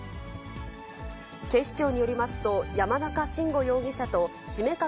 警視庁によりますと、山中慎吾容疑者と七五三掛